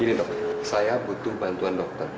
gini dok saya butuh bantuan dokter